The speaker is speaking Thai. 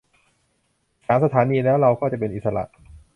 อีกสามสถานีแล้วเราก็จะเป็นอิสระ